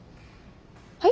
はい？